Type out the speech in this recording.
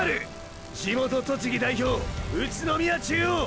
地元栃木代表宇都宮中央！！